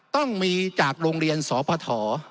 ต้องมีจากโรงเรียนสพ